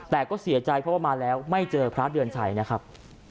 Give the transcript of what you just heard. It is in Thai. แต่ก็เสียใจเพราะว่ามาแล้วไม่เจอพระเดือนชัยนะครับ